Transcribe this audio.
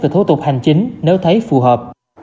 về thủ tục hành chính nếu thấy phù hợp